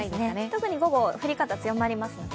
特に午後、降り方が強まりますので。